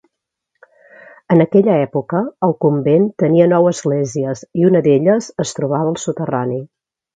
En aquella època, el convent tenia nou esglésies i una d"elles es trobava al soterrani.